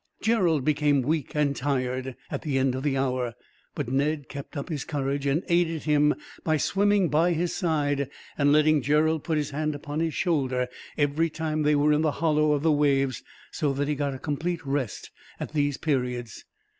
Gerald became weak and tired, at the end of the hour; but Ned kept up his courage, and aided him by swimming by his side, and letting Gerald put his hand upon his shoulder, every time that they were in the hollows of the waves, so that he got a complete rest at these periods.